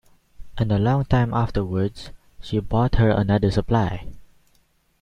And a long time afterwards she brought her another supply.